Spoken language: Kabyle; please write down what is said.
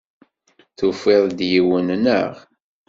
Tufid-d yiwen, naɣ?